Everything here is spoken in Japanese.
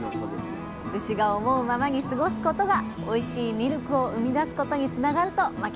牛が思うままに過ごすことがおいしいミルクを生み出すことにつながると牧原さんは考えています